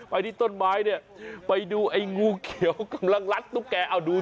ไปที่ต้นไม้เนี่ยไปดูไอ้งูเขียวกำลังลัดตุ๊กแกเอาดู